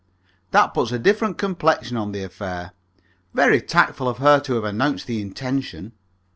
"That puts a different complexion on the affair. Very tactful of her to have announced the intention.